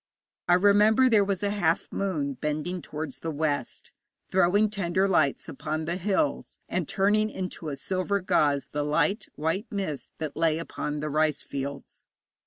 I remember there was a half moon bending towards the west, throwing tender lights upon the hills, and turning into a silver gauze the light white mist that lay upon the rice fields.